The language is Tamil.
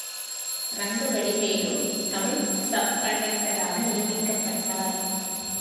ரங்கவடிவேலு தமிழ் சப் கண்டக்டராக நியமிக்கப்பட்டார்.